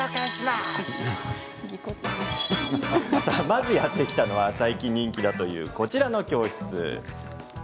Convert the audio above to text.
まずやって来たのは最近、人気だというこちらの教室。